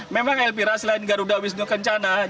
memang elvira selain garuda wisnu kencana